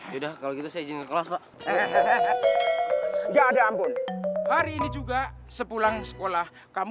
ya udah kalau gitu saya izinkan kelas pak ya ada ampun hari ini juga sepulang sekolah kamu